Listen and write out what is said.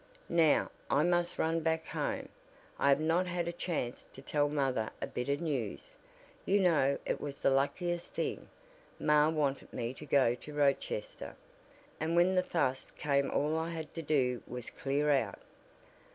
"Now I must run back home. I have not had a chance to tell mother a bit of news. You know it was the luckiest thing, ma wanted me to go to Rochester, and when the fuss came all I had to do was clear out.